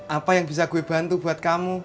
apa yang bisa gue bantu buat kamu